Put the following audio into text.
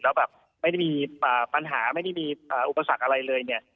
แล้วแบบไม่ได้มีปัญหาไม่ได้มีอุปสรรคอะไรเลยเนี่ย